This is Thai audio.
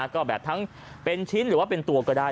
ก็แบบทั้งเป็นชิ้นหรือว่าเป็นตัวก็ได้